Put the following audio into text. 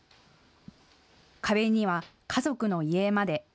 壁には家族の遺影まで。